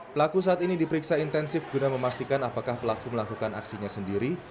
pelaku saat ini diperiksa intensif guna memastikan apakah pelaku melakukan aksinya sendiri